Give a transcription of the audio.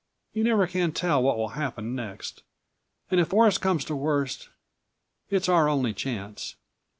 You never can tell what will happen next and if worst comes to worst it's our only chance."